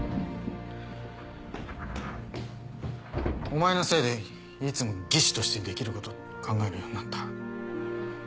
お前のせいでいつも技師としてできること考えるようになった。